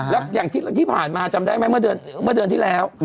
แล้วอย่างที่ผ่านมาจำได้ไหมเมื่อเดือนที่แล้ว